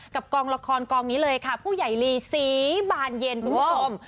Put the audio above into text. กองละครกองนี้เลยค่ะผู้ใหญ่ลีศรีบานเย็นคุณผู้ชม